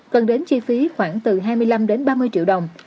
cần đến chi phí khoảng từ hai mươi năm đến ba mươi triệu đồng